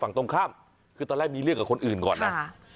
ตรงข้ามคือตอนแรกมีเรื่องกับคนอื่นก่อนนะ